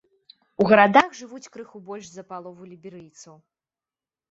У гарадах жывуць крыху больш за палову ліберыйцаў.